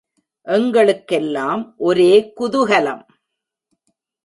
எங்களுக்கெல்லாம் ஒரே குதுகலம்.